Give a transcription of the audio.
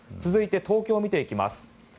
続いて東京を見ていきます。